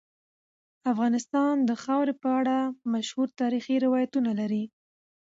افغانستان د خاوره په اړه مشهور تاریخی روایتونه لري.